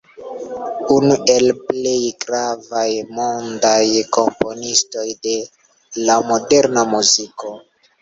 Unu el plej gravaj mondaj komponistoj de la moderna muziko.